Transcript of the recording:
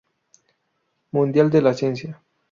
Mundial de la Ciencia.